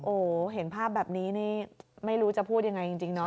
โอ้โหเห็นภาพแบบนี้นี่ไม่รู้จะพูดยังไงจริงเนาะ